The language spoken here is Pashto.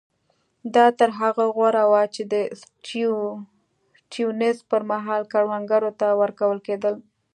دا تر هغه غوره وو چې د سټیونز پر مهال کروندګرو ته ورکول کېدل.